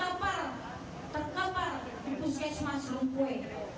kalau memang tidak ada bukti silahkan ke puskesmas rumpuy